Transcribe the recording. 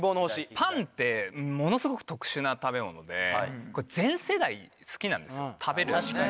パンってものすごく特殊な食べ物で全世代好きなんですよ食べるんですよね。